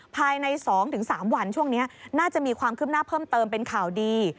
ภายใน๒๓วันช่วงนี้น่าจะมีความคืบหน้าเพิ่มเติมเป็นข่าวดี